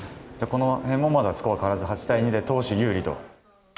このへんもまだスコア変わらず、８対２で投手有利と？